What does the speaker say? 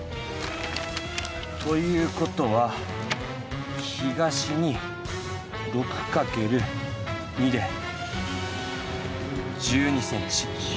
という事は東に６かける２で１２ｃｍ。